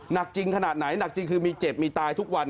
หนักจริงขนาดไหนหนักจริงคือมีเจ็บมีตายทุกวัน